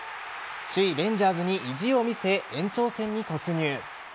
首位・レンジャーズに意地を見せ延長戦に突入。